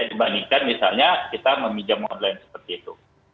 dibandingkan misalnya kita meminjam online seperti itu